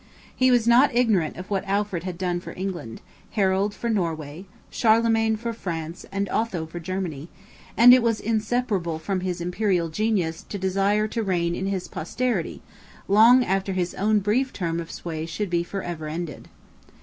He was not ignorant of what Alfred had done for England, Harold for Norway, Charlemagne for France, and Otho for Germany; and it was inseparable from his imperial genius to desire to reign in his posterity, long after his own brief term of sway should be for ever ended.